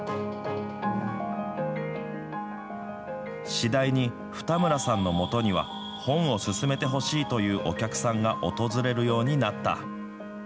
次第に、二村さんの下には本を薦めてほしいというお客さんが訪れるようになった。